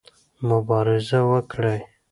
مبارزه وکړئ.